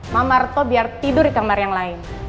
mama retno biar tidur di kamar yang lain